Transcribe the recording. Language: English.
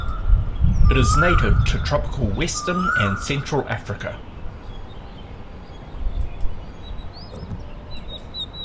It is native to tropical western and central Africa.